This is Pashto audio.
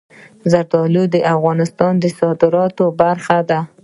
زردالو د افغانستان د صادراتو برخه ده.